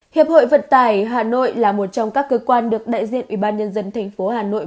hiệp hội vận tải hà nội là một trong các cơ quan được đại diện ủy ban nhân dân thành phố hà nội